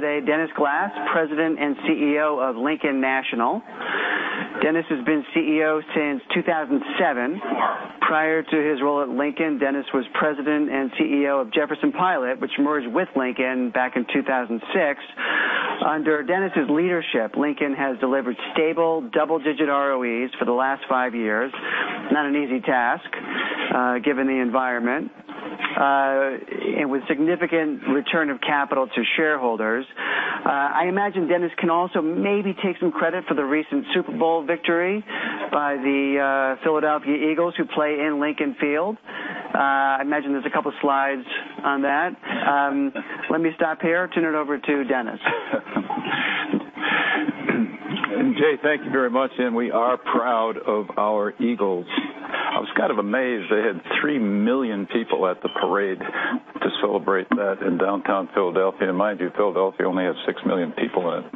Today, Dennis Glass, President and CEO of Lincoln National. Dennis has been CEO since 2007. Prior to his role at Lincoln, Dennis was President and CEO of Jefferson-Pilot, which merged with Lincoln back in 2006. Under Dennis' leadership, Lincoln has delivered stable double-digit ROEs for the last five years. Not an easy task given the environment, and with significant return of capital to shareholders. I imagine Dennis can also maybe take some credit for the recent Super Bowl victory by the Philadelphia Eagles, who play in Lincoln Financial Field. I imagine there's a couple slides on that. Let me stop here, turn it over to Dennis. Jay, thank you very much. We are proud of our Eagles. I was kind of amazed. They had 3 million people at the parade to celebrate that in downtown Philadelphia. Now mind you, Philadelphia only has 6 million people in it.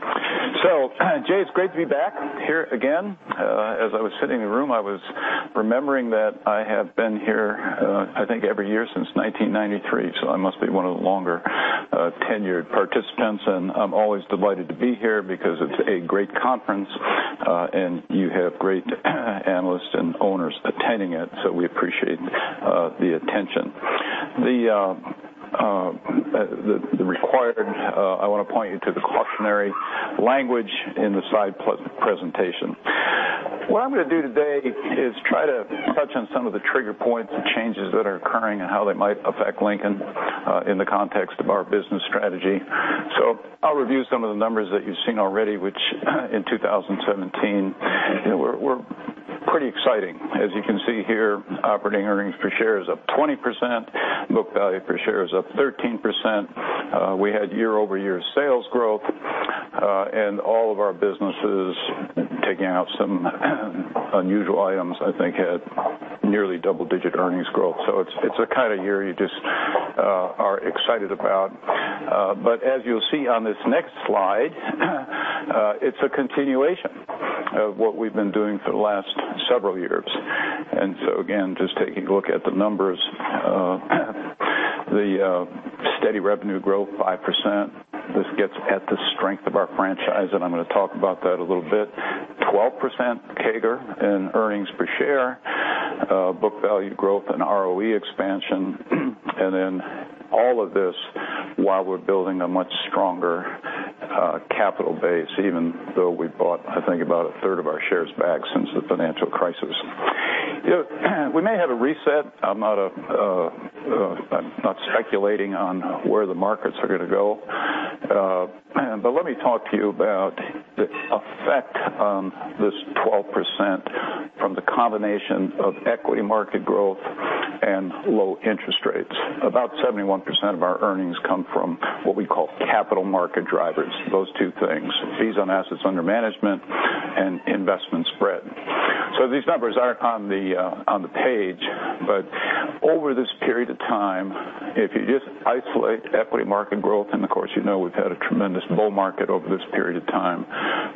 Jay, it's great to be back here again. As I was sitting in the room, I was remembering that I have been here I think every year since 1993, so I must be one of the longer tenured participants. I'm always delighted to be here because it's a great conference, and you have great analysts and owners attending it, so we appreciate the attention. I want to point you to the cautionary language in the slide presentation. What I'm going to do today is try to touch on some of the trigger points and changes that are occurring and how they might affect Lincoln in the context of our business strategy. I'll review some of the numbers that you've seen already, which in 2017 were pretty exciting. As you can see here, operating earnings per share is up 20%, book value per share is up 13%. We had year-over-year sales growth, and all of our businesses, taking out some unusual items, I think had nearly double-digit earnings growth. It's a kind of year you just are excited about. As you'll see on this next slide, it's a continuation of what we've been doing for the last several years. Again, just taking a look at the numbers, the steady revenue growth, 5%. This gets at the strength of our franchise. I'm going to talk about that a little bit. 12% CAGR in earnings per share, book value growth and ROE expansion. All of this while we're building a much stronger capital base, even though we bought, I think, about a third of our shares back since the financial crisis. We may have a reset. I'm not speculating on where the markets are going to go. Let me talk to you about the effect on this 12% from the combination of equity market growth and low interest rates. About 71% of our earnings come from what we call capital market drivers. Those two things, fees on assets under management and investment spread. These numbers are on the page. Over this period of time, if you just isolate equity market growth, and of course you know we've had a tremendous bull market over this period of time,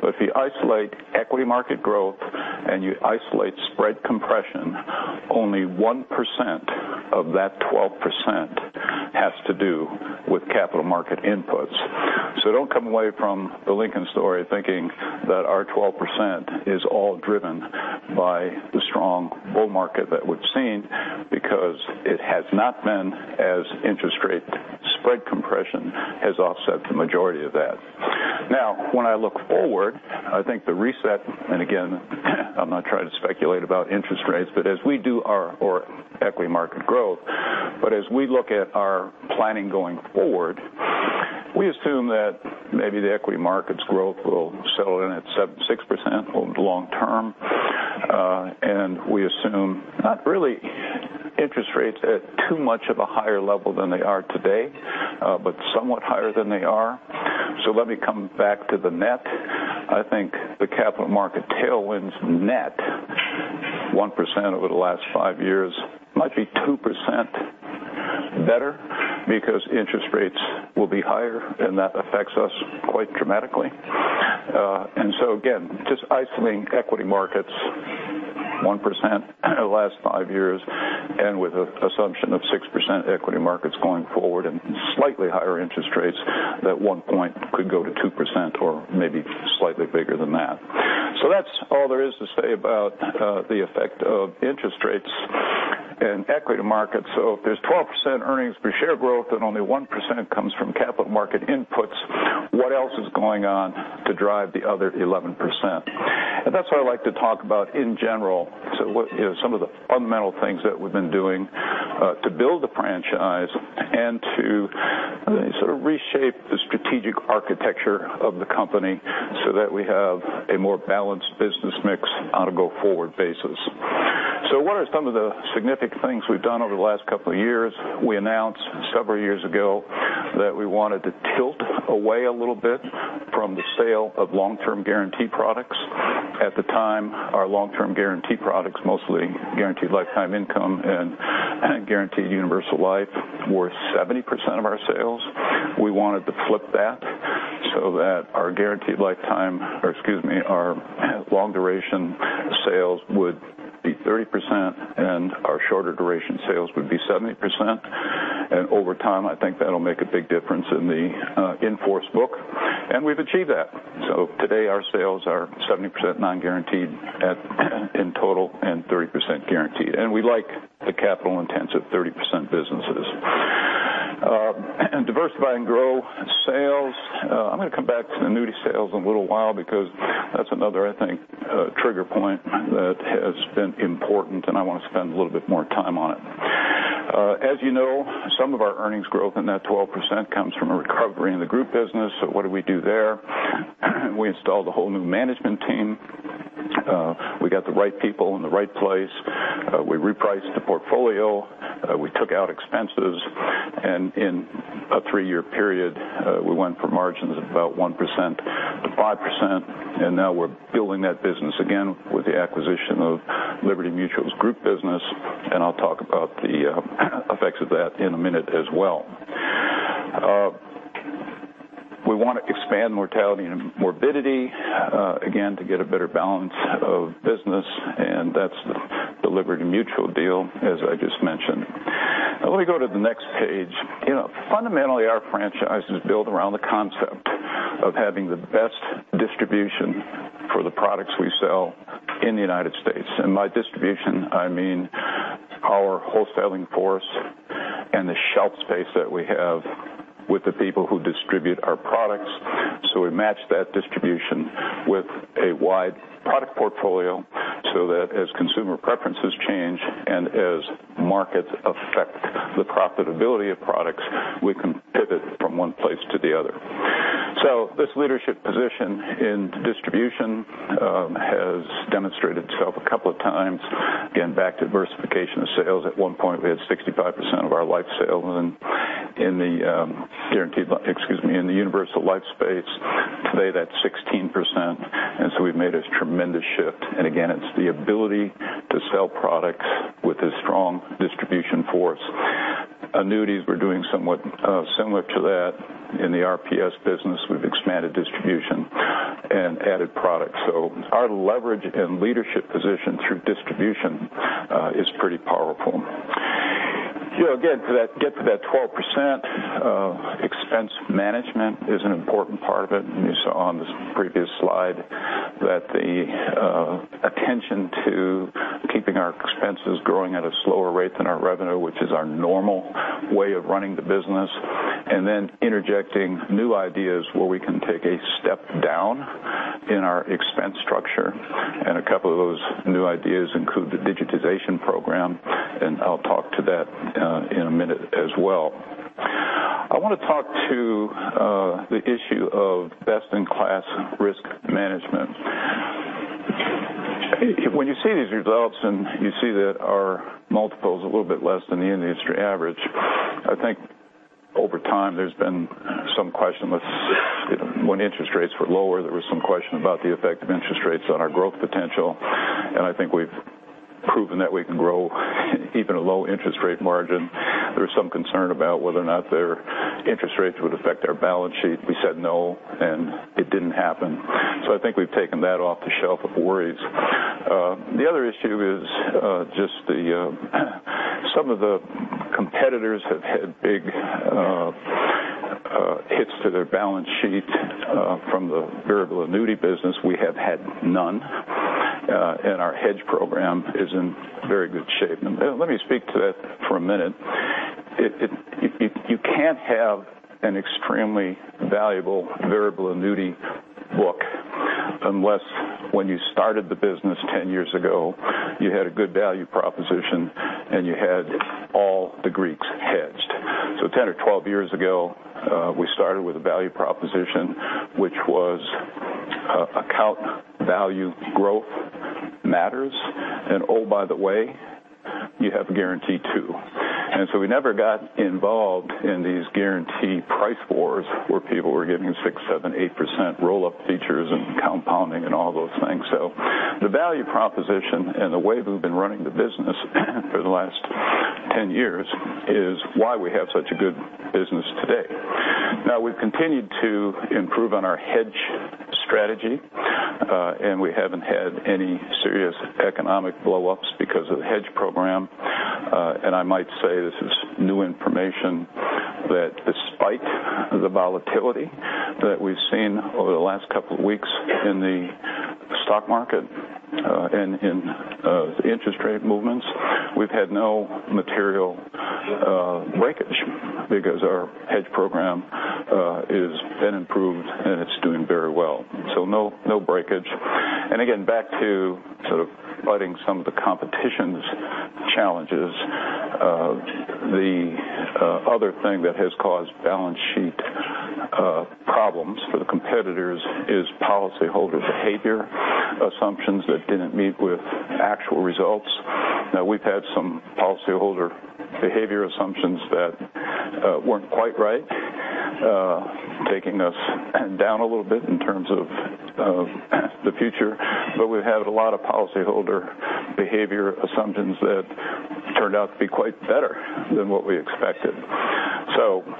but if you isolate equity market growth and you isolate spread compression, only 1% of that 12% has to do with capital market inputs. Don't come away from the Lincoln story thinking that our 12% is all driven by the strong bull market that we've seen because it has not been as interest rate spread compression has offset the majority of that. When I look forward, I think the reset, and again, I'm not trying to speculate about interest rates, as we do our equity market growth. As we look at our planning going forward, we assume that maybe the equity market's growth will settle in at 6% over the long term. We assume not really interest rates at too much of a higher level than they are today, but somewhat higher than they are. Let me come back to the net. I think the capital market tailwinds net 1% over the last five years, might be 2% better because interest rates will be higher, and that affects us quite dramatically. Again, just isolating equity markets 1% over the last five years, and with the assumption of 6% equity markets going forward and slightly higher interest rates, that one point could go to 2% or maybe slightly bigger than that. That's all there is to say about the effect of interest rates in equity markets. If there's 12% earnings per share growth, then only 1% comes from capital market inputs. What else is going on to drive the other 11%? That's what I'd like to talk about in general. Some of the fundamental things that we've been doing to build the franchise and to sort of reshape the strategic architecture of the company so that we have a more balanced business mix on a go-forward basis. What are some of the significant things we've done over the last couple of years? We announced several years ago that we wanted to tilt away a little bit from the sale of long-term guarantee products. At the time, our long-term guarantee products, mostly guaranteed lifetime income and guaranteed universal life, were 70% of our sales. We wanted to flip that so that our guaranteed lifetime, or excuse me, our long-duration sales would be 30%, and our shorter duration sales would be 70%. Over time, I think that'll make a big difference in the in-force book, and we've achieved that. Today our sales are 70% non-guaranteed in total and 30% guaranteed, and we like the capital intensive 30% businesses. Diversify and grow sales. I'm going to come back to the annuity sales in a little while because that's another, I think, trigger point that has been important, and I want to spend a little bit more time on it. You know, some of our earnings growth in that 12% comes from a recovery in the group business. What do we do there? We installed a whole new management team. We got the right people in the right place. We repriced the portfolio. We took out expenses. In a three-year period, we went from margins of about 1% to 5%, now we're building that business again with the acquisition of Liberty Mutual's group business, I'll talk about the effects of that in a minute as well. We want to expand mortality and morbidity, again, to get a better balance of business, that's the Liberty Mutual deal, as I just mentioned. Let me go to the next page. Fundamentally, our franchise is built around the concept of having the best distribution for the products we sell in the United States. By distribution, I mean our wholesaling force and the shelf space that we have with the people who distribute our products. We match that distribution with a wide product portfolio so that as consumer preferences change and as markets affect the profitability of products, we can pivot from one place to the other. This leadership position in distribution has demonstrated itself a couple of times. Again, back to diversification of sales. At one point, we had 65% of our Life Insurance sales in the Universal Life space. Today that's 16%, we've made a tremendous shift. Again, it's the ability to sell products with a strong distribution force. Annuities, we're doing somewhat similar to that. In the RPS business, we've expanded distribution and added products. Our leverage and leadership position through distribution is pretty powerful. Again, to get to that 12%, expense management is an important part of it, you saw on this previous slide that the attention to keeping our expenses growing at a slower rate than our revenue, which is our normal way of running the business, then interjecting new ideas where we can take a step down in our expense structure. A couple of those new ideas include the digitization program, I'll talk to that in a minute as well. I want to talk to the issue of best-in-class risk management. When you see these results and you see that our multiple's a little bit less than the industry average, I think over time there's been some question with when interest rates were lower, there was some question about the effect of interest rates on our growth potential, I think we've proven that we can grow even a low interest rate margin. There was some concern about whether or not their interest rates would affect our balance sheet. We said no, it didn't happen. I think we've taken that off the shelf of worries. The other issue is just some of the competitors have had big hits to their balance sheet from the Variable Annuity business. We have had none. Our hedge program is in very good shape. Let me speak to that for a minute. You can't have an extremely valuable variable annuity book unless when you started the business 10 years ago, you had a good value proposition and you had all the Greeks hedged. 10 or 12 years ago, we started with a value proposition, which was account value growth matters, and oh, by the way, you have a guarantee too. We never got involved in these guaranteed price wars where people were giving 6%, 7%, 8% roll-up features and compounding and all those things. The value proposition and the way we've been running the business for the last 10 years is why we have such a good business today. Now we've continued to improve on our hedge strategy, and we haven't had any serious economic blow-ups because of the hedge program. I might say this is new information that despite the volatility that we've seen over the last couple of weeks in the stock market, and in interest rate movements, we've had no material breakage because our hedge program has been improved, and it's doing very well. No breakage. Again, back to sort of fighting some of the competition's challenges. The other thing that has caused balance sheet problems for the competitors is policyholder behavior assumptions that didn't meet with actual results. Now we've had some policyholder behavior assumptions that weren't quite right, taking us down a little bit in terms of the future, but we've had a lot of policyholder behavior assumptions that turned out to be quite better than what we expected.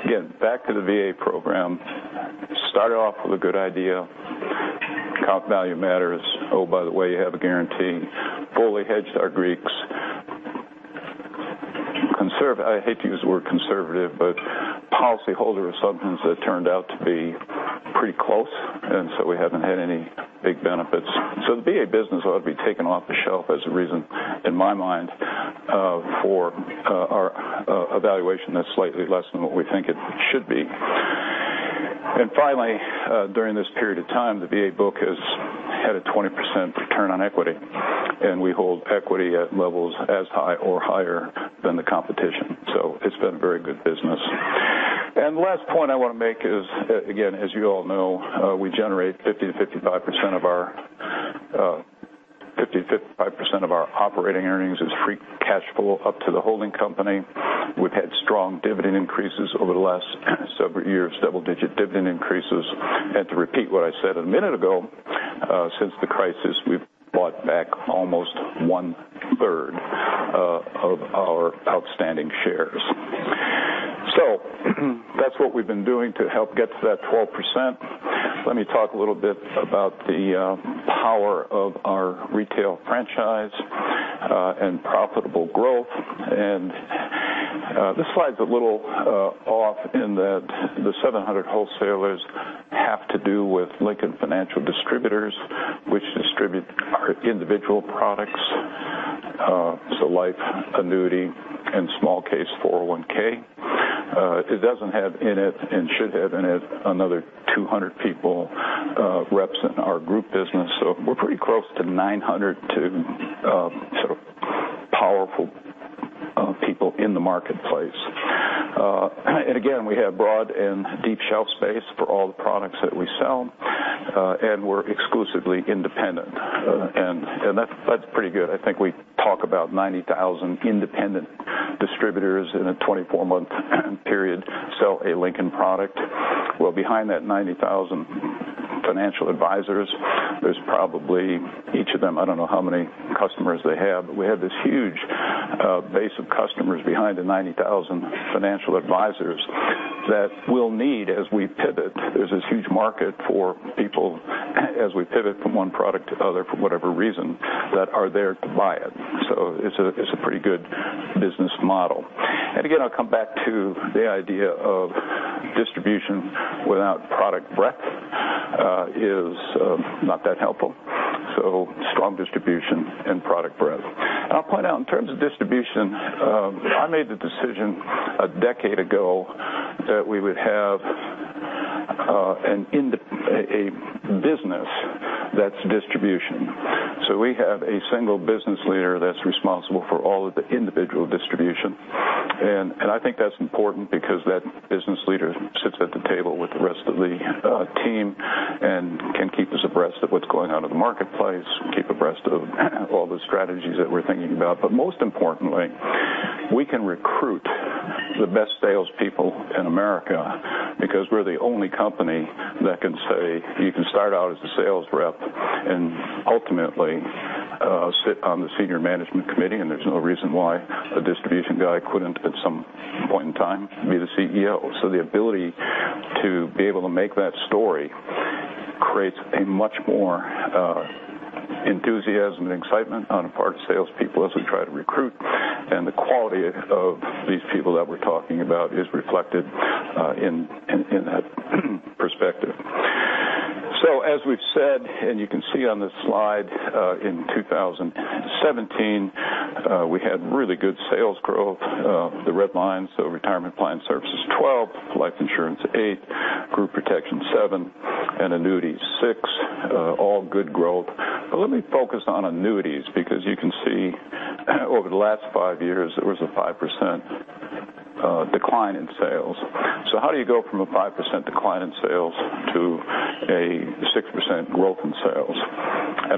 Again, back to the VA program. Start off with a good idea. Account value matters. Oh, by the way, you have a guarantee. Fully hedged our Greeks. I hate to use the word conservative, but policyholder assumptions that turned out to be pretty close, we haven't had any big benefits. The VA business ought to be taken off the shelf as a reason, in my mind, for our evaluation that's slightly less than what we think it should be. Finally, during this period of time, the VA book has had a 20% return on equity, and we hold equity at levels as high or higher than the competition. It's been very good business. The last point I want to make is, again, as you all know, we generate 50%-55% of our operating earnings as free cash flow up to the holding company. We've had strong dividend increases over the last several years, double-digit dividend increases. To repeat what I said a minute ago, since the crisis, we've bought back almost one-third of our outstanding shares. That's what we've been doing to help get to that 12%. Let me talk a little bit about the power of our retail franchise and profitable growth. This slide's a little off in that the 700 wholesalers have to do with Lincoln Financial Distributors, which distribute our individual products. Life, annuity, and small case 401(k). It doesn't have in it, and should have in it, another 200 people, reps in our Group business. We're pretty close to 900 to powerful people in the marketplace. Again, we have broad and deep shelf space for all the products that we sell, and we're exclusively independent. That's pretty good. I think we talk about 90,000 independent distributors in a 24-month period sell a Lincoln product. Behind that 90,000 financial advisors, there's probably each of them, I don't know how many customers they have, but we have this huge base of customers behind the 90,000 financial advisors that we'll need as we pivot. There's this huge market for people as we pivot from one product to the other, for whatever reason, that are there to buy it. It's a pretty good business model. Again, I'll come back to the idea of distribution without product breadth is not that helpful. Strong distribution and product breadth. I'll point out, in terms of distribution, I made the decision a decade ago that we would have a business that's distribution. We have a single business leader that's responsible for all of the individual distribution. I think that's important because that business leader sits at the table with the rest of the team and can keep us abreast of what's going on in the marketplace, keep abreast of all the strategies that we're thinking about. Most importantly, we can recruit the best salespeople in America because we're the only company that can say you can start out as a sales rep and ultimately sit on the senior management committee, and there's no reason why a distribution guy couldn't, at some point in time, be the CEO. The ability to be able to make that story creates a much more enthusiasm and excitement on the part of salespeople as we try to recruit, and the quality of these people that we're talking about is reflected in that perspective. As we've said, you can see on this slide, in 2017, we had really good sales growth. The red line, Retirement Plan Services 12, Life Insurance, eight, Group Protection, seven, and Annuities, six. All good growth. Let me focus on Annuities, because you can see over the last five years, there was a 5% decline in sales. How do you go from a 5% decline in sales to a 6% growth in sales?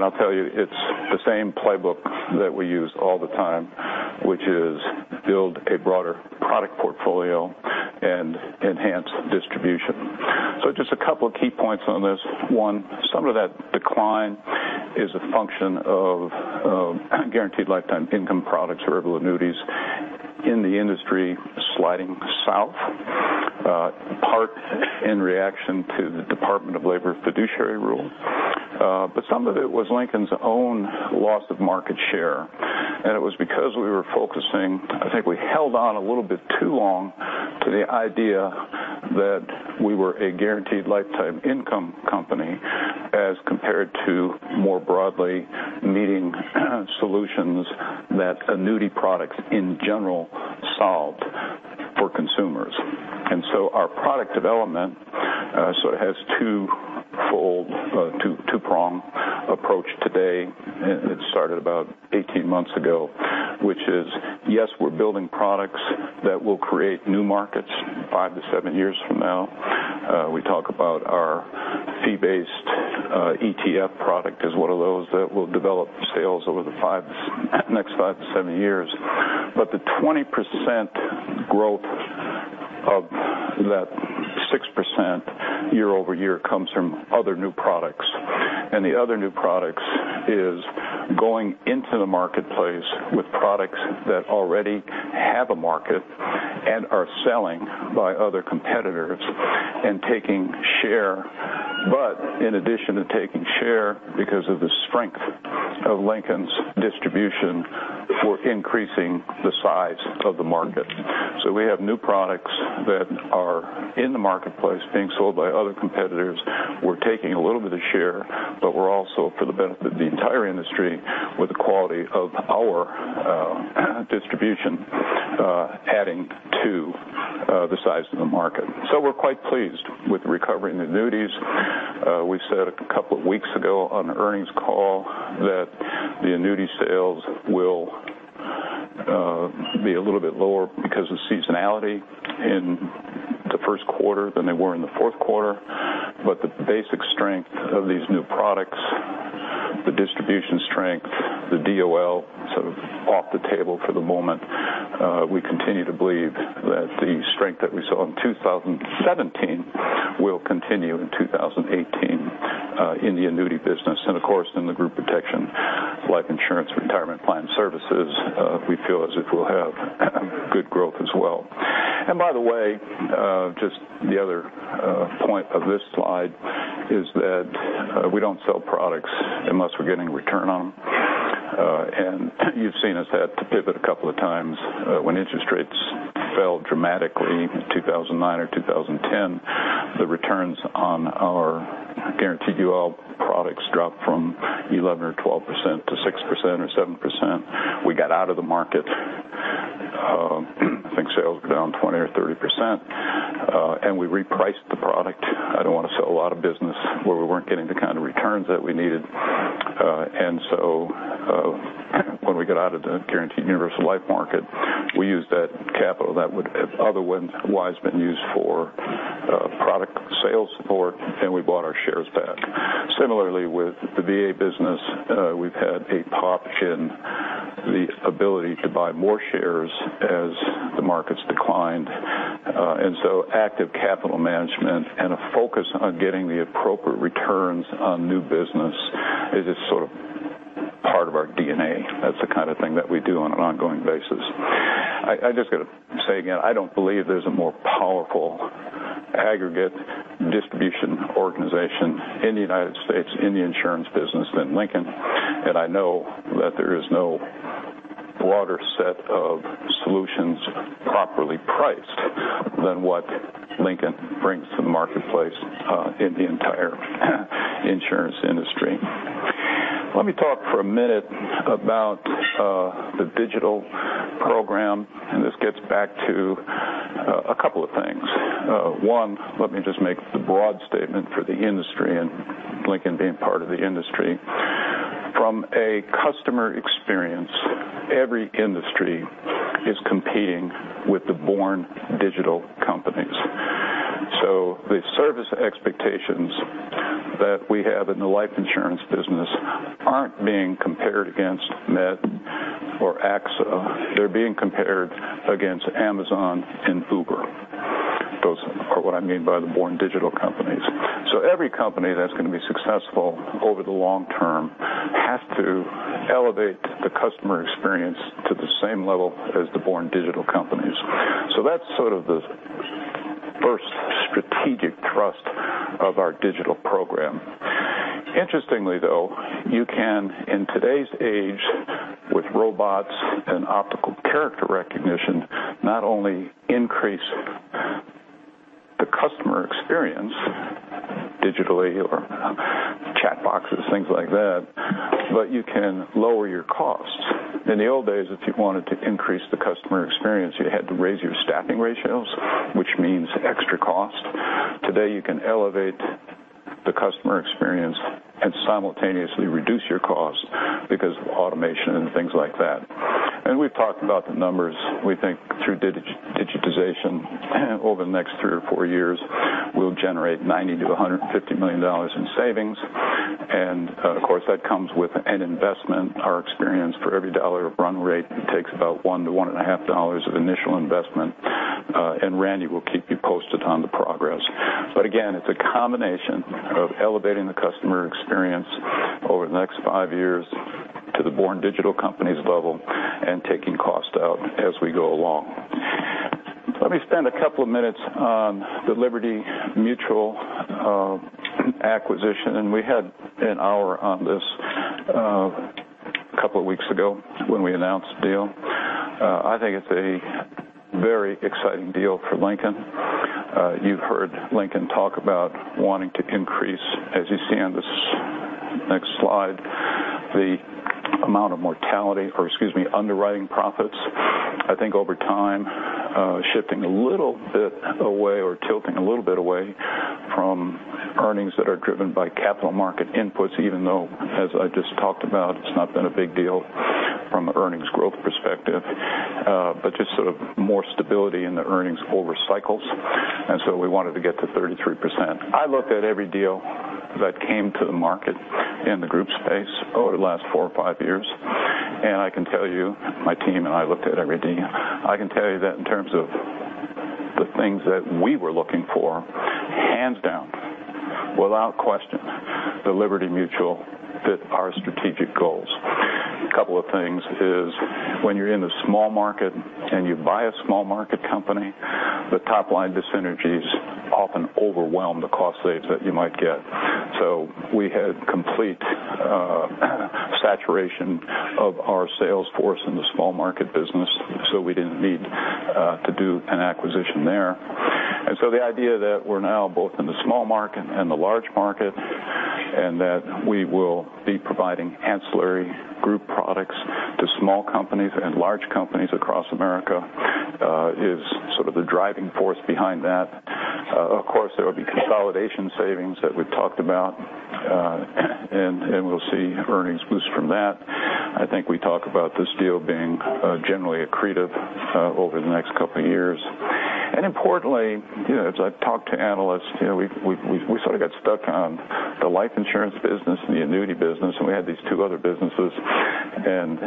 I'll tell you, it's the same playbook that we use all the time, which is build a broader product portfolio and enhance distribution. Just a couple of key points on this. One, some of that decline is a function of guaranteed lifetime income products or variable annuities in the industry sliding south, part in reaction to the Department of Labor fiduciary rule. Some of it was Lincoln's own loss of market share. It was because we were focusing, I think we held on a little bit too long to the idea that we were a guaranteed lifetime income company as compared to more broadly meeting solutions that annuity products in general solve for consumers. Our product development sort of has two-prong approach today. It started about 18 months ago, which is, yes, we're building products that will create new markets five to seven years from now. We talk about our fee-based ETF product as one of those that will develop sales over the next five to seven years. The 20% growth of that 6% year-over-year comes from other new products. The other new products is going into the marketplace with products that already have a market and are selling by other competitors and taking share. In addition to taking share, because of the strength of Lincoln's distribution, we're increasing the size of the market. We have new products that are in the marketplace being sold by other competitors. We're taking a little bit of share, but we're also, for the benefit of the entire industry, with the quality of our distribution adding to the size of the market. We're quite pleased with the recovery in Annuities. We said a couple of weeks ago on the earnings call that the Annuity sales will be a little bit lower because of seasonality in the first quarter than they were in the fourth quarter. The basic strength of these new products, the distribution strength, the DOL sort of off the table for the moment. We continue to believe that the strength that we saw in 2017 will continue in 2018 in the Annuity business. Of course, in the Group Protection, Life Insurance, Retirement Plan Services, we feel as if we'll have good growth as well. By the way, just the other point of this slide is that we don't sell products unless we're getting a return on them. You've seen us have to pivot a couple of times. When interest rates fell dramatically in 2009 or 2010, the returns on our guaranteed UL products dropped from 11% or 12% to 6% or 7%. We got out of the market. I think sales were down 20% or 30%, and we repriced the product. I don't want to sell a lot of business where we weren't getting the kind of returns that we needed. When we got out of the guaranteed universal life market, we used that capital that would otherwise been used for product sales support, and we bought our shares back. Similarly, with the VA business, we've had a pop in the ability to buy more shares as the markets declined. Active capital management and a focus on getting the appropriate returns on new business is just sort of part of our DNA. That's the kind of thing that we do on an ongoing basis. I just got to say again, I don't believe there's a more powerful aggregate distribution organization in the U.S. in the insurance business than Lincoln. I know that there is no broader set of solutions properly priced than what Lincoln brings to the marketplace in the entire insurance industry. Let me talk for a minute about the digital program. This gets back to a couple of things. One, let me just make the broad statement for the industry. Lincoln being part of the industry. From a customer experience, every industry is competing with the born digital companies. The service expectations that we have in the Life Insurance business aren't being compared against Met or AXA. They're being compared against Amazon and Uber. Those are what I mean by the born digital companies. Every company that's going to be successful over the long term has to elevate the customer experience to the same level as the born digital companies. That's sort of the first strategic thrust of our digital program. Interestingly, though, you can, in today's age, with robots and optical character recognition, not only increase the customer experience digitally or chatbots, things like that, but you can lower your costs. In the old days, if you wanted to increase the customer experience, you had to raise your staffing ratios, which means extra cost. Today, you can elevate the customer experience and simultaneously reduce your cost because of automation and things like that. We've talked about the numbers. We think through digitization, over the next 3 or 4 years, we'll generate $90 million-$150 million in savings. Of course, that comes with an investment. Our experience for every dollar of run rate takes about one to one and a half dollars of initial investment, Randy will keep you posted on the progress. Again, it's a combination of elevating the customer experience over the next 5 years to the born digital company's level and taking cost out as we go along. Let me spend a couple of minutes on the Liberty Mutual acquisition. We had an hour on this a couple of weeks ago when we announced the deal. I think it's a very exciting deal for Lincoln. You've heard Lincoln talk about wanting to increase, as you see on this next slide, the amount of mortality, or excuse me, underwriting profits. I think over time, shifting a little bit away or tilting a little bit away from earnings that are driven by capital market inputs, even though, as I just talked about, it's not been a big deal from an earnings growth perspective. Just sort of more stability in the earnings over cycles. We wanted to get to 33%. I looked at every deal that came to the market in the group space over the last 4 or 5 years. I can tell you, my team and I looked at every deal. I can tell you that in terms of the things that we were looking for, hands down, without question, the Liberty Mutual fit our strategic goals. A couple of things is when you're in a small market and you buy a small market company, the top-line dyssynergies often overwhelm the cost saves that you might get. We had complete saturation of our sales force in the small market business, we didn't need to do an acquisition there. The idea that we're now both in the small market and the large market, and that we will be providing ancillary group products to small companies and large companies across America, is sort of the driving force behind that. Of course, there will be consolidation savings that we've talked about, and we'll see earnings boost from that. I think we talk about this deal being generally accretive over the next couple of years. Importantly, as I've talked to analysts, we sort of got stuck on the Life Insurance business and the Annuity business, and we had these two other businesses, and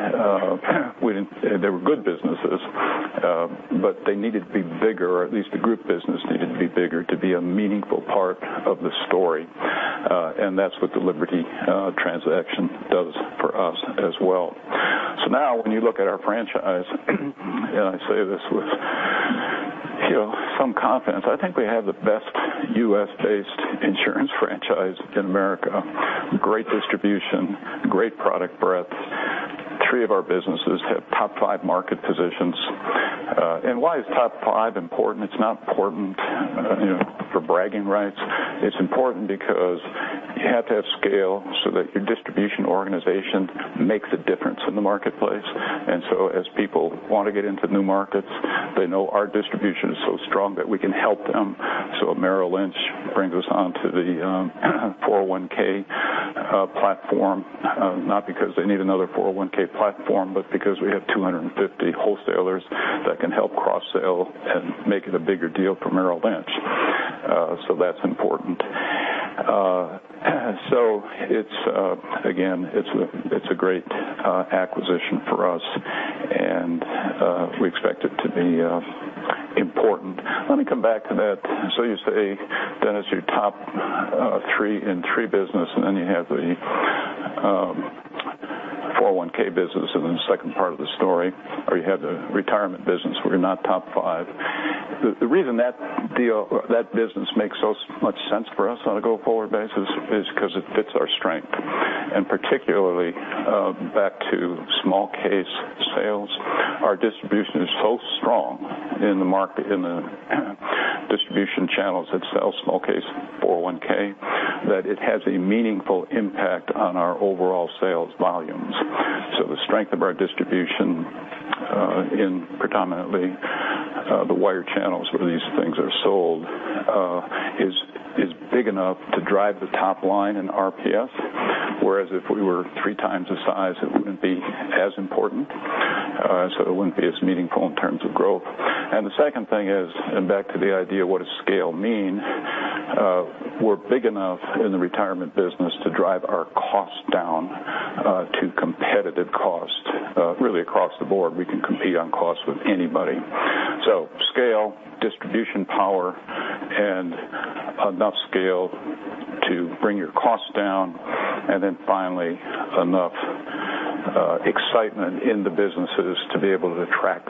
they were good businesses, but they needed to be bigger, or at least the group business needed to be bigger to be a meaningful part of the story. That's what the Liberty transaction does for us as well. Now when you look at our franchise, and I say this with some confidence, I think we have the best U.S.-based insurance franchise in America. Great distribution, great product breadth. Three of our businesses have top five market positions. Why is top five important? It's not important for bragging rights. It's important because you have to have scale so that your distribution organization makes a difference in the marketplace. As people want to get into new markets, they know our distribution is so strong that we can help them. A Merrill Lynch brings us onto the 401 platform, not because they need another 401 platform, but because we have 250 wholesalers that can help cross-sell and make it a bigger deal for Merrill Lynch. That's important. Again, it's a great acquisition for us, and we expect it to be important. Let me come back to that. You say, "Dennis, you're top three in three business, and then you have the 401 business in the second part of the story, or you have the retirement business where you're not top five." The reason that business makes so much sense for us on a go-forward basis is because it fits our strength. Particularly, back to small case sales, our distribution is so strong in the distribution channels that sell small case 401, that it has a meaningful impact on our overall sales volumes. The strength of our distribution in predominantly the wire channels where these things are sold is big enough to drive the top line in RPS. Whereas if we were three times the size, it wouldn't be as important. It wouldn't be as meaningful in terms of growth. The second thing is, back to the idea, what does scale mean? We're big enough in the retirement business to drive our cost down to competitive cost. Really across the board, we can compete on cost with anybody. Scale, distribution power, and enough scale to bring your costs down. Finally, enough excitement in the businesses to be able to attract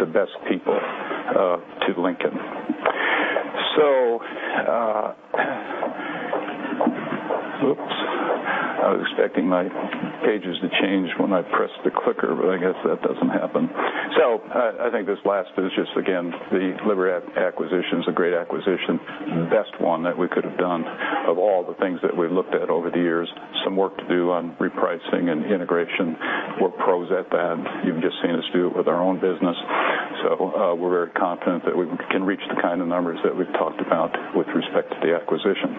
the best people to Lincoln. Oops. I was expecting my pages to change when I press the clicker, but I guess that doesn't happen. I think this last bit is just, again, the Liberty acquisition's a great acquisition, the best one that we could have done of all the things that we've looked at over the years. Some work to do on repricing and integration. We're pros at that. You've just seen us do it with our own business. We're very confident that we can reach the kind of numbers that we've talked about with respect to the acquisition.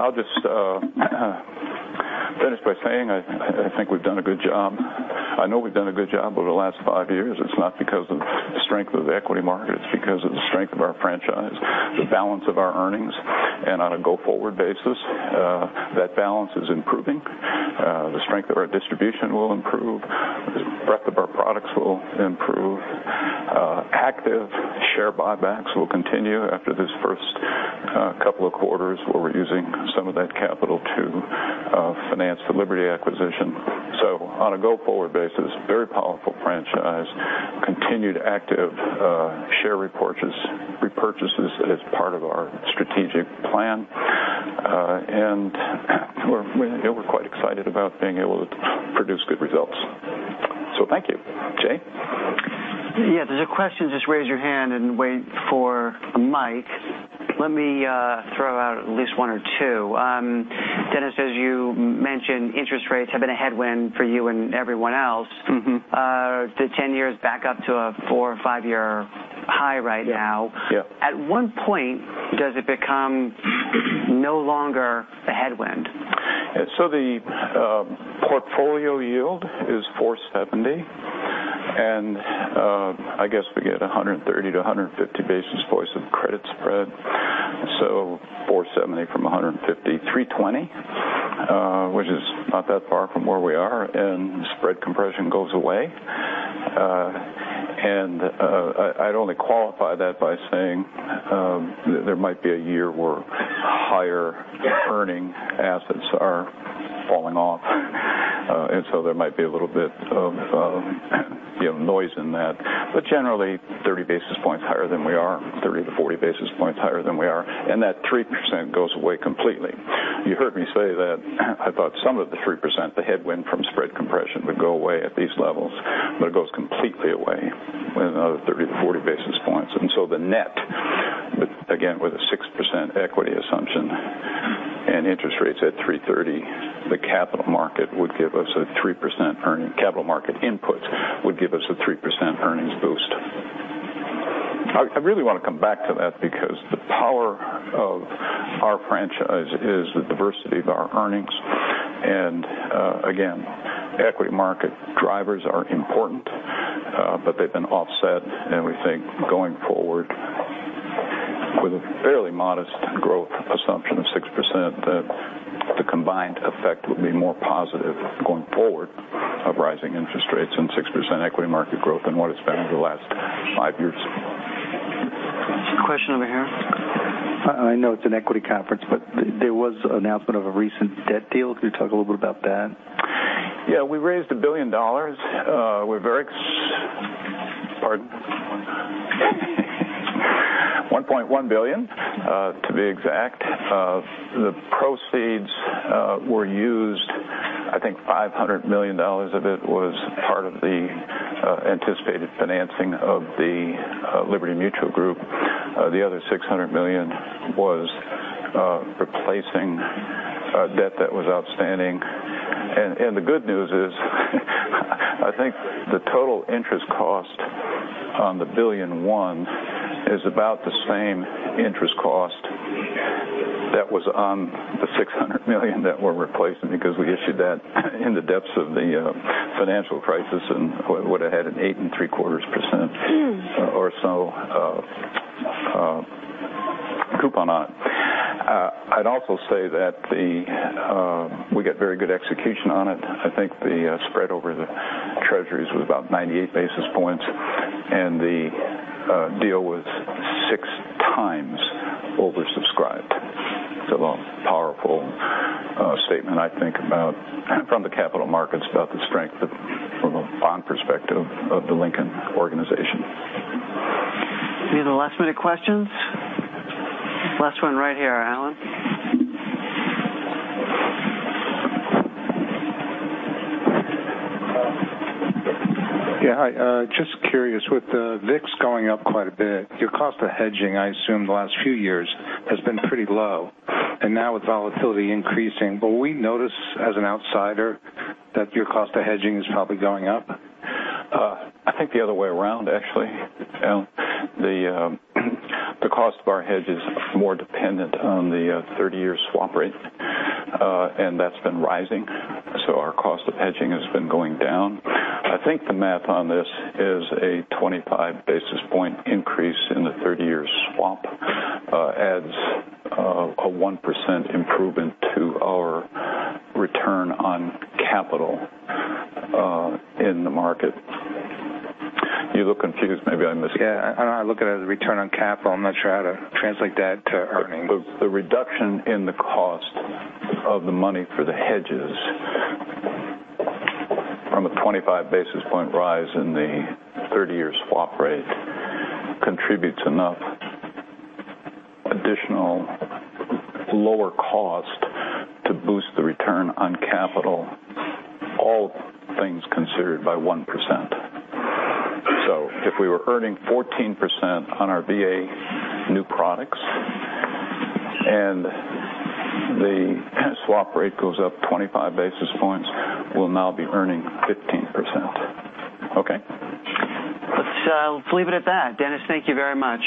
I'll just finish by saying I think we've done a good job. I know we've done a good job over the last five years. It's not because of the strength of the equity market. It's because of the strength of our franchise, the balance of our earnings, and on a go-forward basis, that balance is improving. The strength of our distribution will improve. The breadth of our products will improve. Active share buybacks will continue after this first couple of quarters where we're using some of that capital to finance the Liberty acquisition. On a go-forward basis, very powerful franchise, continued active share repurchases as part of our strategic plan. We're quite excited about being able to produce good results. Thank you. Jay? Yeah. If there's a question, just raise your hand and wait for a mic. Let me throw out at least one or two. Dennis, as you mentioned, interest rates have been a headwind for you and everyone else. The 10-years back up to a four or five-year high right now. Yeah. At what point does it become no longer a headwind? The portfolio yield is 470, I guess we get 130 to 150 basis points of credit spread. 470 from 150, 320, which is not that far from where we are, and spread compression goes away. I'd only qualify that by saying there might be a year where higher earning assets are falling off, and so there might be a little bit of noise in that. Generally, 30 basis points higher than we are, 30 to 40 basis points higher than we are, and that 3% goes away completely. You heard me say that I thought some of the 3%, the headwind from spread compression, would go away at these levels, but it goes completely away with another 30 to 40 basis points. The net, again, with a 6% equity assumption and interest rates at 330, Capital market input would give us a 3% earnings boost. I really want to come back to that because the power of our franchise is the diversity of our earnings. Again, equity market drivers are important, but they've been offset. We think going forward with a fairly modest growth assumption of 6%, that the combined effect would be more positive going forward of rising interest rates and 6% equity market growth than what it's been over the last five years. Question over here. I know it's an equity conference, there was an announcement of a recent debt deal. Could you talk a little bit about that? Yeah. We raised $1 billion. Pardon? $1.1 billion, to be exact. The proceeds were used, I think $500 million of it was part of the anticipated financing of the Liberty Mutual Group. The other $600 million was replacing debt that was outstanding. The good news is I think the total interest cost on the $1.1 billion is about the same interest cost that was on the $600 million that we're replacing because we issued that in the depths of the financial crisis and would've had an 8.75% or so coupon on. I'd also say that we got very good execution on it. I think the spread over the treasuries was about 98 basis points, and the deal was six times oversubscribed. It's a powerful statement, I think, from the capital markets about the strength from a bond perspective of the Lincoln organization. Any other last-minute questions? Last one right here. Alan? Yeah. Hi. Just curious, with the VIX going up quite a bit, your cost of hedging, I assume the last few years, has been pretty low, and now with volatility increasing, will we notice as an outsider that your cost of hedging is probably going up? I think the other way around, actually, Alan. The cost of our hedge is more dependent on the 30-year swap rate. That's been rising, so our cost of hedging has been going down. I think the math on this is a 25 basis point increase in the 30-year swap adds a 1% improvement to our return on capital in the market. You look confused. Yeah. I look at it as a return on capital. I'm not sure how to translate that to earnings. The reduction in the cost of the money for the hedges from a 25 basis point rise in the 30-year swap rate contributes enough additional lower cost to boost the return on capital, all things considered, by 1%. If we were earning 14% on our VA new products and the swap rate goes up 25 basis points, we'll now be earning 15%. Okay? Let's leave it at that. Dennis, thank you very much.